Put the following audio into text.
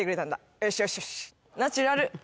よしよしよしナチュラル